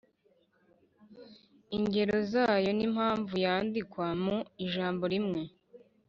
Ingero zayo n’impamvu yandikwa mu ijambo rimwe